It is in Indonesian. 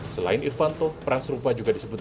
selain irfanto pras rupa juga disebut